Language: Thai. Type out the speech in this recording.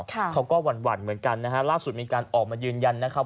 เขาก็หวั่นเหมือนกันนะฮะล่าสุดมีการออกมายืนยันนะครับ